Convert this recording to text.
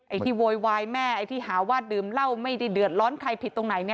ที่โวยวายแม่ไอ้ที่หาว่าดื่มเหล้าไม่ได้เดือดร้อนใครผิดตรงไหน